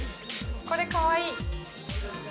これ、かわいい。